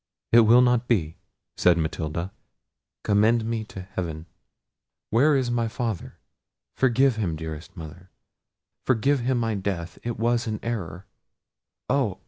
"It will not be," said Matilda; "commend me to heaven—Where is my father? forgive him, dearest mother—forgive him my death; it was an error. Oh!